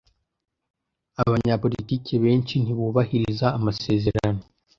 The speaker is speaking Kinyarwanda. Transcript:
Abanyapolitike benshi ntibubahiriza amasezerano.